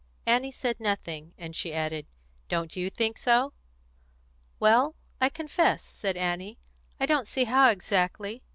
Annie said nothing, and she added, "Don't you think so?" "Well, I confess," said Annie, "I don't see how, exactly.